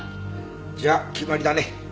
じゃあ決まりだね。